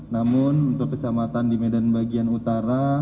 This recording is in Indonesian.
namun untuk kecamatan di medan bagian utara